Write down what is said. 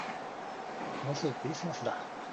もうすぐクリスマスだ